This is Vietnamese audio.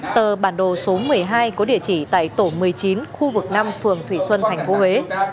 tờ bản đồ số một mươi hai có địa chỉ tại tổ một mươi chín khu vực năm phường thủy xuân tp huế